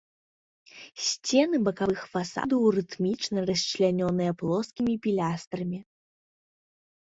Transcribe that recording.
Сцены бакавых фасадаў рытмічна расчлянёныя плоскімі пілястрамі.